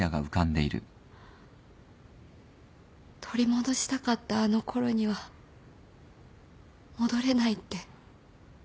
取り戻したかったあのころには戻れないって。